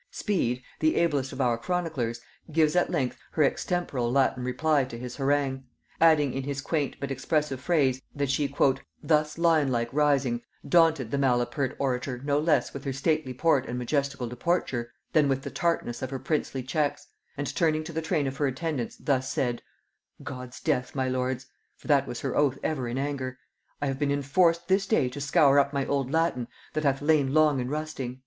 Speed, the ablest of our chroniclers, gives at length her extemporal Latin reply to his harangue; adding in his quaint but expressive phrase, that she "thus lion like rising, daunted the malapert orator no less with her stately port and majestical deporture, than with the tartness of her princely checks: and turning to the train of her attendants thus said, 'God's death, my lords,' (for that was her oath ever in anger,) 'I have been inforced this day to scour up my old Latin, that hath lain long in rusting.'"